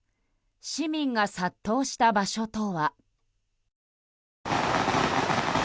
市民が殺到した場所とは。